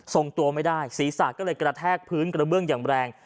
ส่งตัวไม่ได้ศีรษะก็เลยกระแทกพื้นกระเบื้องอย่างแรง